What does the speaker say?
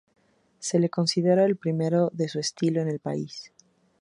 Se le considera el primero de su estilo en el país.